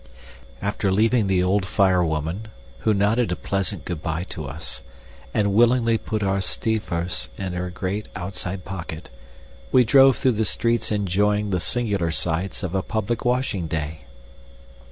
After leaving the old fire woman, who nodded a pleasant good bye to us, and willingly put our stivers in her great outside pocket, we drove through the streets enjoying the singular sights of a public washing day.